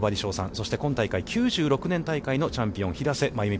そして今大会、９６年大会のチャンピオン平瀬真由美